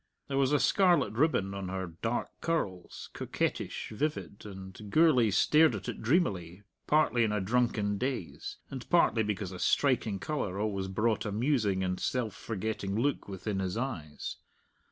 There was a scarlet ribbon on her dark curls, coquettish, vivid, and Gourlay stared at it dreamily, partly in a drunken daze, and partly because a striking colour always brought a musing and self forgetting look within his eyes.